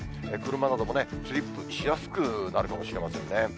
車などもね、スリップしやすくなるかもしれませんね。